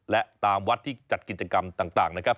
และตามวัดที่จัดกิจกรรมต่างนะครับ